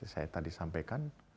saya tadi sampaikan